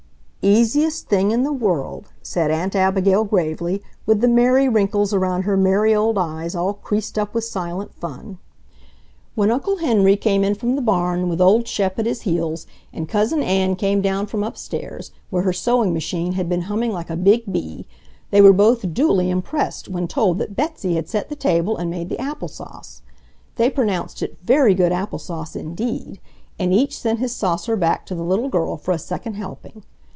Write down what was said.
"Easiest thing in the world," said Aunt Abigail gravely, with the merry wrinkles around her merry old eyes all creased up with silent fun. When Uncle Henry came in from the barn, with old Shep at his heels, and Cousin Ann came down from upstairs, where her sewing machine had been humming like a big bee, they were both duly impressed when told that Betsy had set the table and made the apple sauce. They pronounced it very good apple sauce indeed, and each sent his saucer back to the little girl for a second helping.